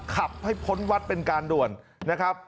ขับให้พ้นวัดเป็นการด่วนนะครับ